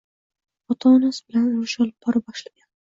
ota-onasi bilan urush olib bora boshlagan.